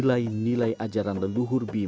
pasti tiga pas tentang beberapa hari